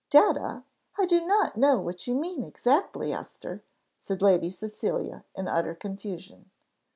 "Data! I do not know what you mean exactly, Esther," said Lady Cecilia, in utter confusion.